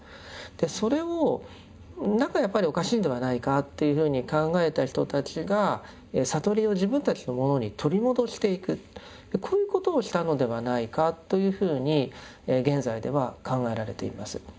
それを何かやっぱりおかしいんではないかというふうに考えた人たちがこういうことをしたのではないかというふうに現在では考えられています。